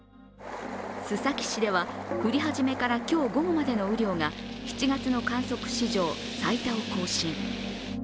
須崎市では降り始めから今日午後までの雨量が７月の観測史上最多を更新。